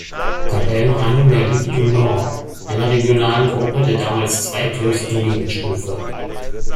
Tabellenrang der "Ligue du Nord", einer regionalen Gruppe der damals zweithöchsten Ligenstufe.